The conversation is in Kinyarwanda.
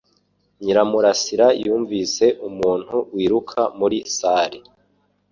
Nyiramurasira yumvise umuntu wiruka muri salle